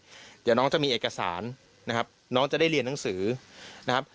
เดี๋ยวน้องจะมีเอกสารนะครับน้องจะได้เรียนหนังสือนะครับ